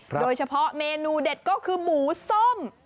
โดยเฉพาะเมนูเด็ดก็คือหมูส้ม